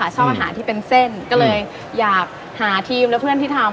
ชอบอาหารที่เป็นเส้นก็เลยอยากหาทีมและเพื่อนที่ทำ